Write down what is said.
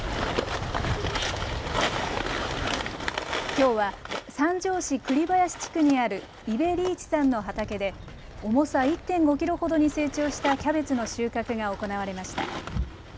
きょうは三条市栗林地区にある伊部利一さんの畑で重さ１．５キロほどに成長したキャベツの収穫が行われました。